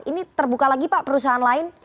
ini terbuka lagi pak perusahaan lain